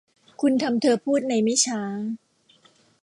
คุณทำเธอพูดในไม่ช้า